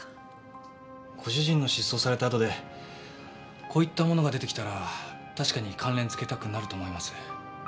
ご主人の失踪されたあとでこういったものが出てきたら確かに関連付けたくなると思います。